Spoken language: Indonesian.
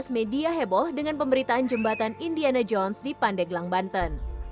dua ribu empat belas media heboh dengan pemberitaan jembatan indiana jones di pandeglang banten